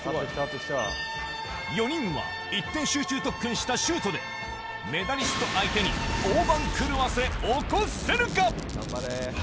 ４人は一点集中特訓したシュートで、メダリスト相手に大番狂わせ起こせるか。